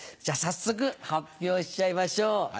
じゃ早速発表しちゃいましょう。